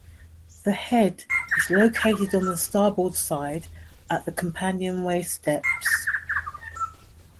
The head is located on the starboard side at the companionway steps.